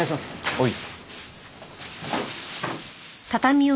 はい。